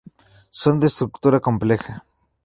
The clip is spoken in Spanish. Son de estructura compleja.